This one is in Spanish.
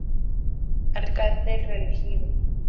Alcalde reelegido.